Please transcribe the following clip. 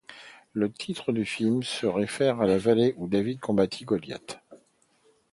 Le titre du film se réfère à la vallée où David combattit Goliath.